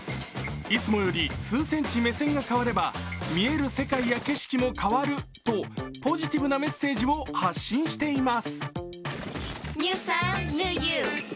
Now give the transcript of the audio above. いつもより数センチ目線が変われば見える世界や景色も変わるとポジティブなメッセージを発信しています。